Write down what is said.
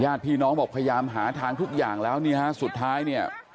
ญาติพี่น้องบอกพยายามหาทางทุกอย่างแล้วตอนนี้สุดท้าย